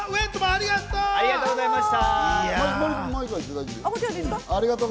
ありがとうございます。